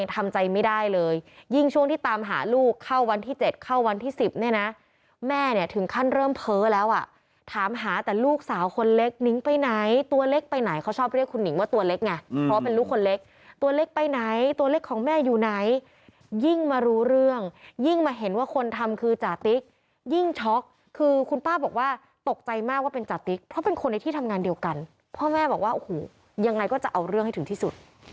ถามหาแต่ลูกสาวคนเล็กนิ้งไปไหนตัวเล็กไปไหนเขาชอบเรียกคุณนิ้งว่าตัวเล็กไงเพราะเป็นลูกคนเล็กตัวเล็กไปไหนตัวเล็กของแม่อยู่ไหนยิ่งมารู้เรื่องยิ่งมาเห็นว่าคนทำคือจาติ๊กยิ่งช็อกคือคุณป้าบอกว่าตกใจมากว่าเป็นจาติ๊กเพราะเป็นคนในที่ทำงานเดียวกันพ่อแม่บอกว่าอย่างไรก็จะเอาเรื่องให้ถึงที่สุ